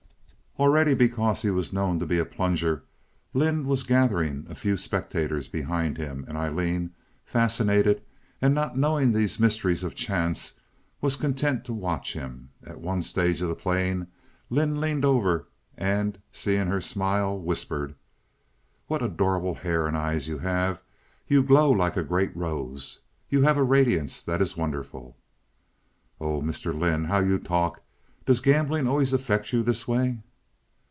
Already, because he was known to be a plunger, Lynde was gathering a few spectators behind him, and Aileen, fascinated, and not knowing these mysteries of chance, was content to watch him. At one stage of the playing Lynde leaned over and, seeing her smile, whispered: "What adorable hair and eyes you have! You glow like a great rose. You have a radiance that is wonderful." "Oh, Mr. Lynde! How you talk! Does gambling always affect you this way?"